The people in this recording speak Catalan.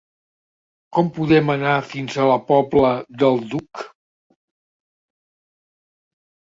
Com podem anar fins a la Pobla del Duc?